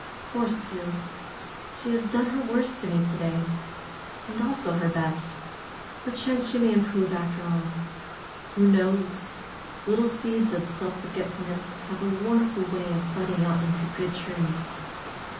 "Poor Sue! She has done her worst to me to day, and also her best. Perchance she may improve after all. Who knows? Little seeds of self forgetfulness have a wonderful way of budding out into good trees."